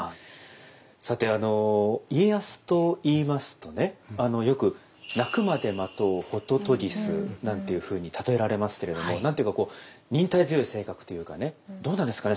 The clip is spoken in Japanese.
さてあの家康といいますとねよく「鳴くまで待とうホトトギス」なんていうふうに例えられますけれども何て言うかこう忍耐強い性格というかねどうなんですかね